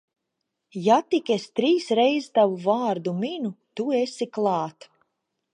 Ja tik es trīs reiz tavu vārdu minu, tu esi klāt.